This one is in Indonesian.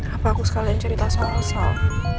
apa aku sekalian cerita soal sal